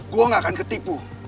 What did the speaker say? gua gak akan ketipu